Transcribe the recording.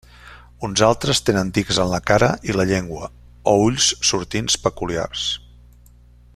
Uns altres tenen tics en la cara i la llengua, o ulls sortints peculiars.